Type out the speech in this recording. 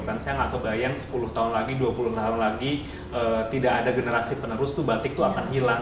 saya tidak terbayang sepuluh tahun lagi dua puluh tahun lagi tidak ada generasi penerus batik itu akan hilang